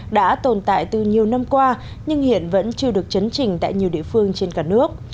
đã tồn tại từ nhiều năm qua nhưng hiện vẫn chưa được chấn trình tại nhiều địa phương trên cả nước